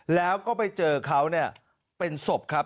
แล้วก็ไปเจอเขาเป็นศพครับ